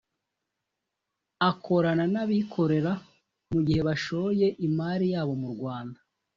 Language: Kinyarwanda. Akorana n’abikorera mu gihe bashoye imari yabo mu Rwanda